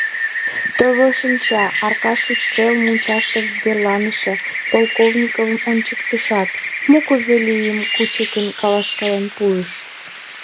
— Тӧвӧ шинча, — Аркаш ӱстел мучаште верланыше Полковниковым ончыктышат, мо кузе лиймым кӱчыкын каласкален пуыш.